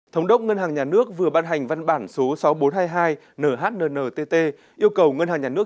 thống đốc ngân hàng nhà nước vừa ban hành văn bản số sáu nghìn bốn trăm hai mươi hai nhnntt yêu cầu ngân hàng nhà nước